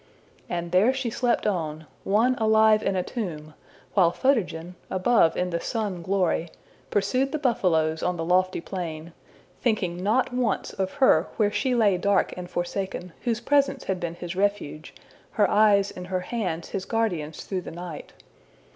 And there she slept on, one alive in a tomb, while Photogen, above in the sun glory, pursued the buffaloes on the lofty plain, thinking not once of her where she lay dark and forsaken, whose presence had been his refuge, her eyes and her hands his guardians through the night.